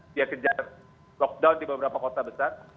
dia kejar lockdown di beberapa kota besar